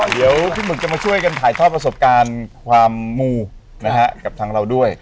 เดี๋ยวพี่หมึกจะมาช่วยกันถ่ายทอดประสบการณ์ความมูนะฮะกับทางเราด้วย